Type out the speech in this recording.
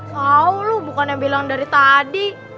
kau loh bukan yang bilang dari tadi